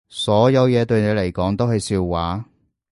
所有嘢對你嚟講都係笑話